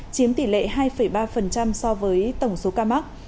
chiếm tỷ lệ hai ba so với tổng số ca mắc